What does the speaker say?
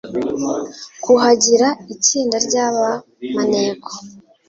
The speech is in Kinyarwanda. kuhagira itsinda rya ba maneko